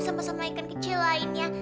sama sama ikon kecil lainnya